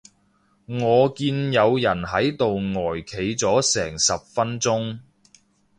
我見有人喺度呆企咗成十分鐘